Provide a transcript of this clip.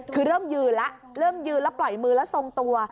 คือเริ่มยืนแล้วเริ่มยืนแล้วปล่อยมือแล้วทรงตัว